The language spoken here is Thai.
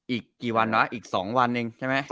อีกกี่วันนะอีก๒วันเองใช่ไหม